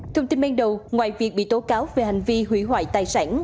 thông tin ban đầu ngoài việc bị tố cáo về hành vi hủy hoại tài sản